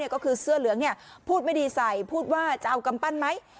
ก็คือเสื้อเหลืองพูดไม่ดีใส่พูดว่าจะเอากำปั้นไหม